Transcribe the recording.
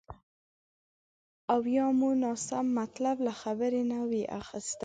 او یا مو ناسم مطلب له خبرې نه وي اخیستی